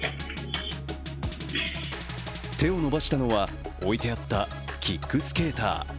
手を伸ばしたのは、置いてあったキックスケーター。